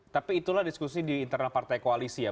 tapi itulah diskusi di internal partai koalisi ya